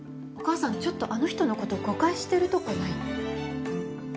お母さんちょっとあの人のこと誤解してるとこない？